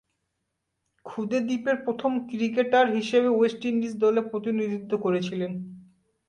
ক্ষুদে দ্বীপের প্রথম ক্রিকেটার হিসেবে ওয়েস্ট ইন্ডিজ দলে প্রতিনিধিত্ব করেছিলেন।